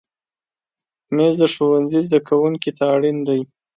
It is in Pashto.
مېز د ښوونځي زده کوونکي ته اړین دی.